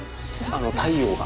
太陽が。